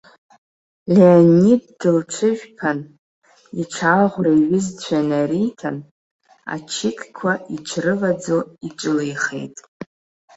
Леонид дылҽыжәԥан, иҽы аӷәра иҩызцәа инариҭан, ачықьқәа иҽрываӡо иҿылеихеит.